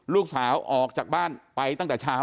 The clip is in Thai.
ลูกสาวออกจากบ้านไปตั้งแต่เช้า